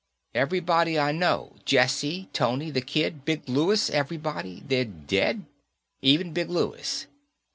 "Everybody I know, Jessie, Tony, the Kid, Big Louis, everybody, they're dead. Even Big Louis."